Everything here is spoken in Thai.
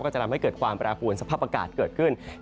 ก็จะทำให้มีความปราภวนสภาพอากาศเกิดขึ้น